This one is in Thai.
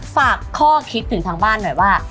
ฝากข้อคิดถึงทางบ้านหน่อยว่า